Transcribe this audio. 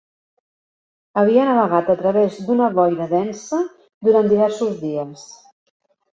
Havia navegat a través d'una boira densa durant diversos dies.